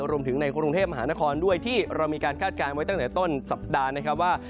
รวมถึงในกรุงเทพมหานครด้วยที่เรามีการคาดการณ์ไว้ตั้งแต่ต้นสัปดาห์นะครับว่า